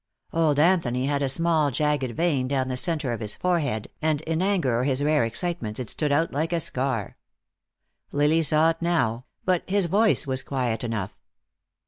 Old Anthony had a small jagged vein down the center of his forehead, and in anger or his rare excitements it stood out like a scar. Lily saw it now, but his voice was quiet enough.